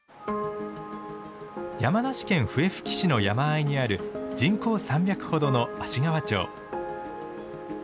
山梨県笛吹市の山あいにある人口３００ほどの芦川町。